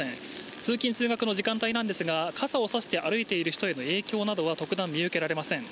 通勤・通学の時間帯なんですが、傘を差して歩いている人の姿は見られません。